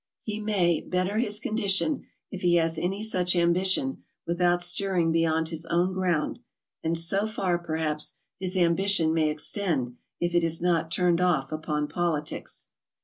He may "better his condition," if he has any such ambition, without stirring beyond his own ground, and so far, perhaps, his ambition may extend, if it is not turned off upon politics.